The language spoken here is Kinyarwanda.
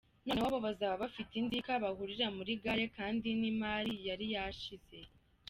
Noneho bo baza bafite inzika, bahurira muri gare kandi n’imari yari yashize.